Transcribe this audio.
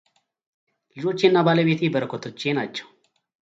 ልጆቼና ባለቤቴ በረከቶቼ ናቸው